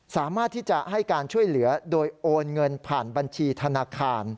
สามารถที่จะให้การช่วยเหลือโดยโอนเงินผ่านบัญชีธนาคาร